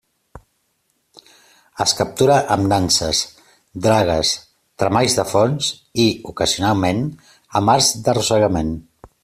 Es captura amb nanses, dragues, tremalls de fons i, ocasionalment, amb arts d'arrossegament.